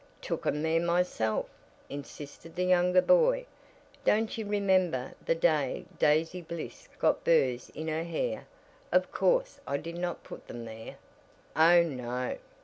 "Took 'em there myself," insisted the younger boy. "Don't you remember the day Daisy Bliss got burrs in her hair? Of course I did not put them there " "Oh, no!"